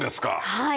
はい。